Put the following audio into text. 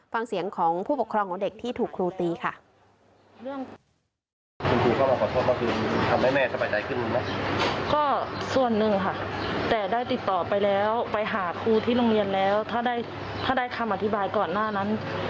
ฟังเสียงของผู้ปกครองของเด็กที่ถูกครูตีค่ะ